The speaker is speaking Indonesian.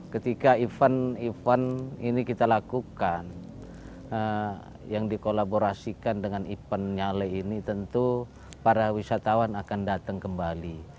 ketika event event ini kita lakukan yang dikolaborasikan dengan event nyale ini tentu para wisatawan akan datang kembali